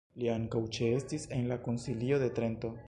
Li ankaŭ ĉeestis en la Konsilio de Trento.